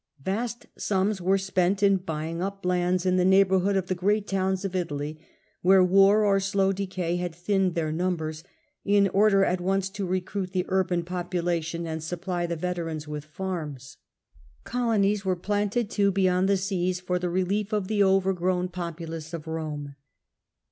Vast sums were spent in buying up lands in the neighbourhood of the great towns of Italy, where war or slow decay had thinned their numbers, in order at once to recruit the urban population and supply the veterans witli farms. 22 The Earlier Empire. b.c. 31— Colonies were planted, too, beyond the seas, for the relief of the overgrown populace of Rome.